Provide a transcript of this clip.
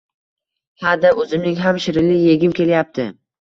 Ha-da, o`zimning ham shirinlik egim kelyapti